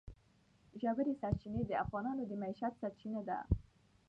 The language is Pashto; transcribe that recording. ژورې سرچینې د افغانانو د معیشت سرچینه ده.